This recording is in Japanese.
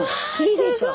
いいでしょ？